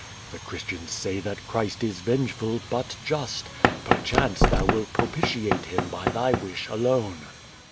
'The Christians say that Christ is vengeful, but just. Perchance thou wilt propitiate Him by tliy wisli alone.''